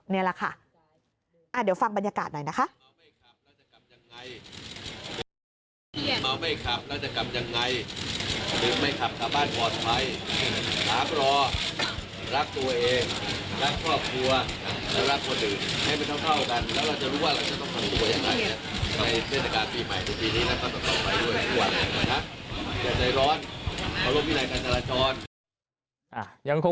นี่แหละค่ะ